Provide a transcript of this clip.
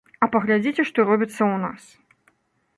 А паглядзіце, што робіцца ў нас.